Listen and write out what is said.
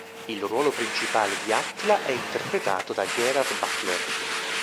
Il ruolo principale di Attila è interpretato da Gerard Butler.